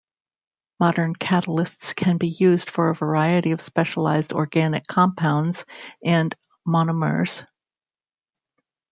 Modern catalysts can be used for a variety of specialized organic compounds and monomers.